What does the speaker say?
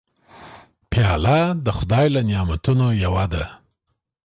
پیاله د خدای له نعمتونو یوه ده.